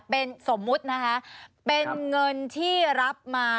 เป็นสมมุตินะคะเป็นเงินที่รับมา